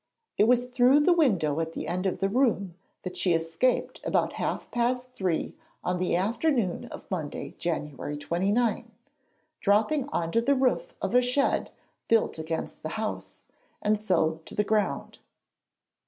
It was through the window at the end of the room that she escaped about half past three on the afternoon of Monday January 29, dropping on to the roof of a shed built against the house, and so to the ground.